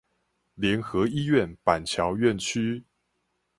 聯合醫院板橋院區